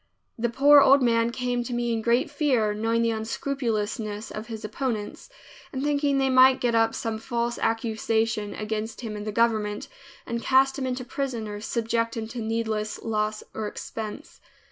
The poor old man came to me in great fear, knowing the unscrupulousness of his opponents, and thinking they might get up some false accusation against him in the government and cast him into prison or subject him to needless loss or expense.